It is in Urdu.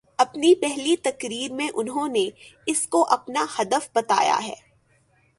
اپنی پہلی تقریر میں انہوں نے اس کو اپناہدف بتایا ہے۔